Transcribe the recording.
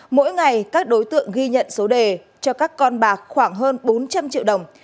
mỗi ngày các đối tượng ghi nhận số đề cho các con bạc khoảng hơn bốn trăm linh triệu đồng